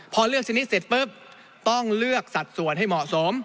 พอเลือกชนิดเสร็จปุ๊บต้องเลือกสัดส่วนให้เหมาะสม